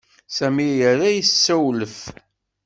Sami ira assewlef.